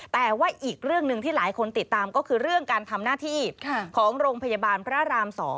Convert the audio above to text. แต่ว่าอีกเรื่องหนึ่งที่หลายคนติดตามก็คือเรื่องการทำหน้าที่ของโรงพยาบาลพระราม๒